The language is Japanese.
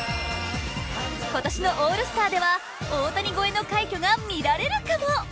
今年のオールスターでは大谷超えの快挙が見られるかも。